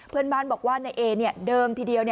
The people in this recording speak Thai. เพื่อนบ้านบอกว่านายเอเดิมทีเดียว